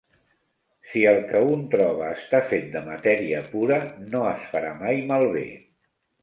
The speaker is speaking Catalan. Si el que un troba està fet de matèria pura, no es farà mai malbé.